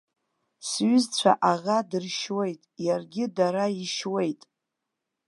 Сҩызцәа аӷа дыршьуеит, иаргьы дара ишьуеит.